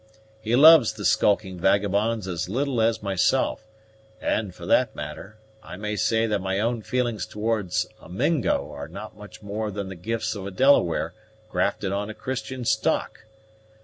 He loves the skulking vagabonds as little as myself; and, for that matter, I may say that my own feelings towards a Mingo are not much more than the gifts of a Delaware grafted on a Christian stock.